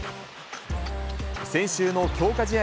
先週の強化試合